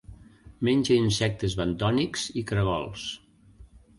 Menja insectes bentònics i caragols.